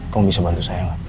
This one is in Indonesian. kamu bisa bantu saya lah